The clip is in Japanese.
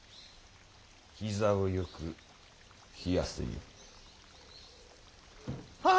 膝をよく冷やせよ。ははっ！